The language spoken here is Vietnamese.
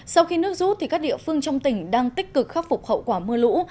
sau khi nước rút các địa phương trong tỉnh đang tích cực khắc phục hậu quả mưa lũ